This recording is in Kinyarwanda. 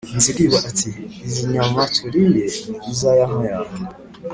Nzikwiba ati: "Izi nyama turiye ni iza ya nka yawe